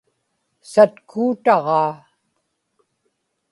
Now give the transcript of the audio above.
satkuutaġaa